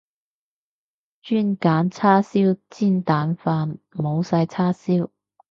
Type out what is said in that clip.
轉揀叉燒煎蛋飯，冇晒叉燒